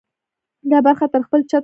دا برخه تر خپل چتر لاندې ده.